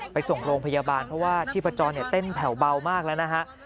ไปส่งโรงพยาบาลเพราะว่าชีพจรเต้นแผ่วเบามากแล้วนะฮะ